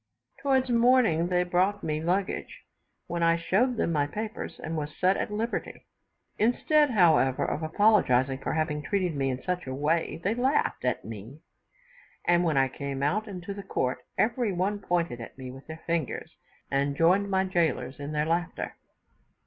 Towards morning they brought me my luggage, when I showed them my papers, and was set at liberty. Instead, however, of apologizing for having treated me in such a way, they laughed at me; and when I came out into the court, every one pointed at me with their fingers, and joined my gaolers in their laughter.